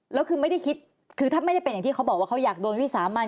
แล้วคือไม่ได้คิดคือถ้าไม่ได้เป็นอย่างที่เขาบอกว่าเขาอยากโดนวิสามัน